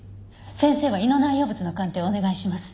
先生は胃の内容物の鑑定をお願いします。